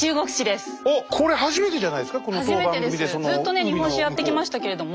ずっとね日本史やってきましたけれども。